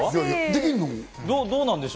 できるの？